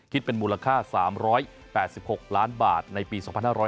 คิดเป็นมูลค่า๓๘๖ล้านบาทในปี๒๕๖๐